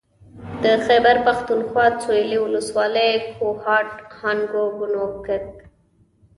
د خېبر پښتونخوا سوېلي ولسوالۍ کوهاټ هنګو بنو کرک